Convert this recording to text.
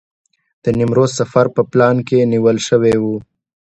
د نیمروز سفر په پلان کې نیول شوی و.